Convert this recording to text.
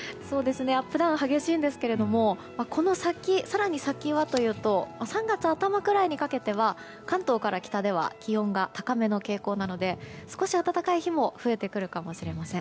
アップダウンが激しいんですがこの先、更に先はというと３月頭くらいにかけては関東から北では気温が高めの傾向なので少し暖かい日も増えてくるかもしれません。